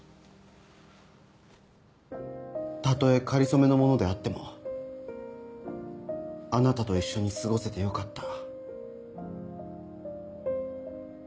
たとえ仮初めのものであってもあなたと一緒に過ごせてよかった。